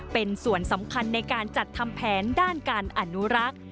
เป็นส่วนสำคัญในการจัดทำแผนด้านการอนุรักษ์